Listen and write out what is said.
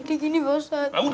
jadi gini pak ustadz